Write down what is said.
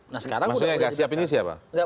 maksudnya nggak siap ini siapa